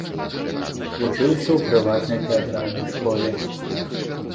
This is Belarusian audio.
Вучыўся ў прыватнай тэатральнай школе.